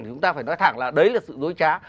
thì chúng ta phải nói thẳng là đấy là sự dối trá